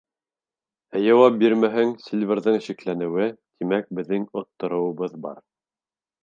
Ә яуап бирмәһәң, Сильверҙың шикләнеүе, тимәк, беҙҙең оттороуыбыҙ бар.